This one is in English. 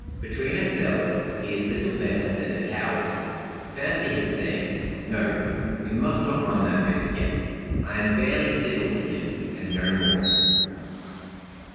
Between ourselves, he is little better than a coward. Fancy his saying; 'No; we must not run that risk yet.' I am barely civil to him, and no more.